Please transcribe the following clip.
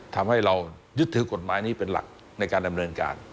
ทำให้เรายึดถือกฎหมายนี้เป็นหลักในการดำเนินการ